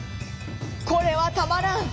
「これはたまらん！